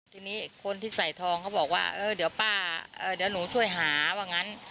ทีนี้คนที่ใส่ทองเขาบอกว่าเออเดี๋ยวป้าเดี๋ยวหนูช่วยหาว่างั้น